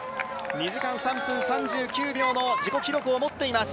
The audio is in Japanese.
２時間３分３９秒の自己記録を持っています。